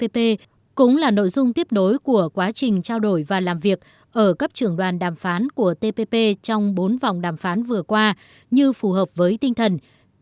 hội nghị tpp cũng là nội dung tiếp đối của quá trình trao đổi và làm việc ở cấp trưởng đoàn đàm phán của tpp trong bốn vòng đàm phán vừa qua như phù hợp với tinh thần